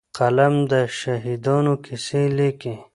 قلم د شهیدانو کیسې لیکي